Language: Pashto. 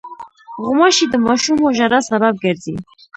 غوماشې د ماشومو ژړا سبب ګرځي.